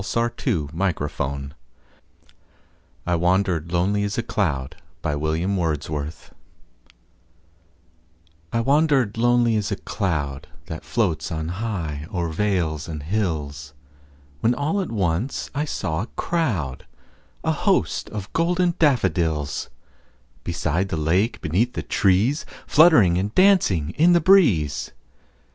William Wordsworth I Wandered Lonely As a Cloud I WANDERED lonely as a cloud That floats on high o'er vales and hills, When all at once I saw a crowd, A host, of golden daffodils; Beside the lake, beneath the trees, Fluttering and dancing in the breeze.